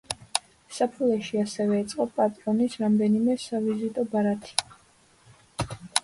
საფულეში ასევე ეწყო პატრონის რამდენიმე სავიზიტო ბარათი.